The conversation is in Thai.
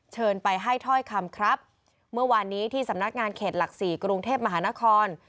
เชิญไปให้ถ้อยคำครับเมื่อวานนี้ที่สำนักงานเขตหลักสี่กรุงเทพมหานคร